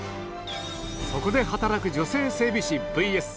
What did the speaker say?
そこで働く女性整備士ＶＳ。